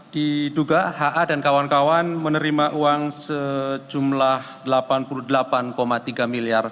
diduga ha dan kawan kawan menerima uang sejumlah rp delapan puluh delapan tiga miliar